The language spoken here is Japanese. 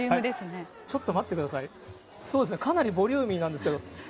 ちょっと待ってください、かなりボリューミーなんですけど。